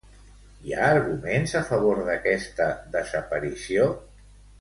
Hi ha arguments a favor d'aquesta desaparició?